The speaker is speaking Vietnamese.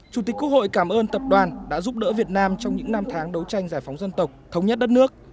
chủ tịch quốc hội cảm ơn tập đoàn đã giúp đỡ việt nam trong những năm tháng đấu tranh giải phóng dân tộc thống nhất đất nước